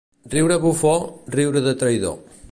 Riure bufó, riure de traïdor.